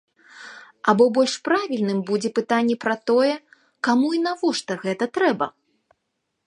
Або больш правільным будзе пытанне пра тое, каму і навошта гэта трэба?